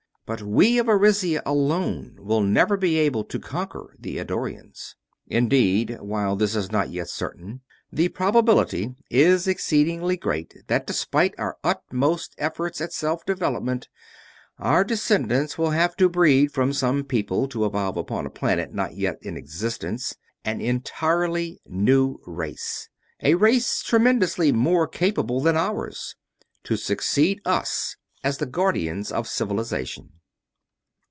But we of Arisia alone will never be able to conquer the Eddorians. Indeed, while this is not yet certain, the probability is exceedingly great that despite our utmost efforts at self development our descendants will have to breed, from some people to evolve upon a planet not yet in existence, an entirely new race a race tremendously more capable than ours to succeed us as Guardians of Civilization."